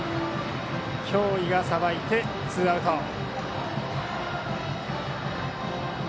京井がさばいてツーアウト。